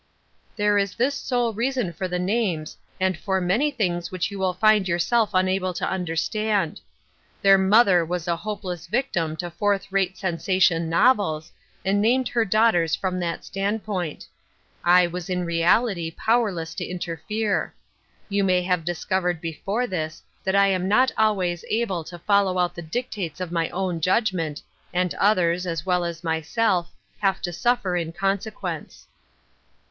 " There is this sole reason for the names, and for many things which you will find ^oiuself un able to understand. Their mother was a hope Embarrassment and Merriment, 283 less victim to fourth rate sensation novels, and named her daughters from that standpoint. I was in reality powerless to interfere. You may have discovered before this that I am not always able to follow out the dictates of my own judg ment, and others, as well as myself, have to suf fer in consequence."